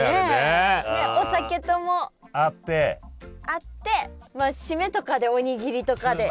あって締めとかでおにぎりとかで。